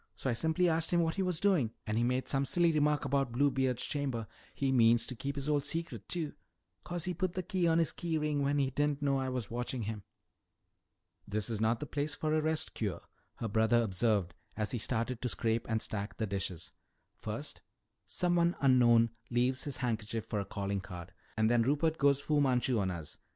So I simply asked him what he was doing and he made some silly remark about Bluebeard's chamber. He means to keep his old secret, too, 'cause he put the key on his key ring when he didn't know I was watching him." "This is not the place for a rest cure," her brother observed as he started to scrape and stack the dishes. "First someone unknown leaves his handkerchief for a calling card and then Rupert goes Fu Manchu on us.